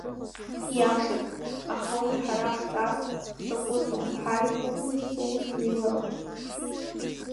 Ииашоуп, аха уи ҳара ҳҵас ҳзаҟәыҵуам, ҳажәла ыҟанаҵы, ус ҳнеилароуп.